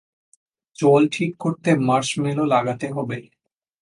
চোয়াল ঠিক করতে মার্সমেলো লাগাতে হবে।